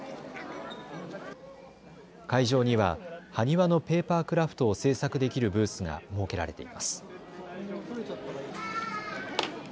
会場には埴輪のペーパークラフトを製作できるブースが設けられています。